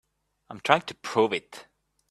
I'm trying to prove it.